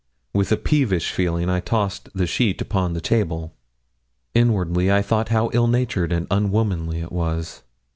With a peevish feeling I tossed the sheet upon the table. Inwardly I thought how ill natured and unwomanly it was.